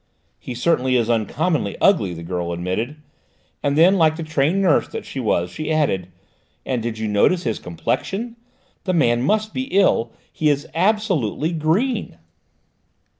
"He certainly is uncommonly ugly," the girl admitted, and then like the trained nurse that she was, she added, "and did you notice his complexion? The man must be ill: he is absolutely green!"